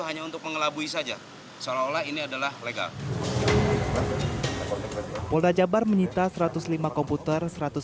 hanya untuk mengelabui saja seolah olah ini adalah legal polda jabar menyita satu ratus lima komputer